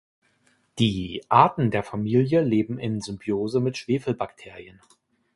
Die Arten der Familie leben in Symbiose mit Schwefelbakterien.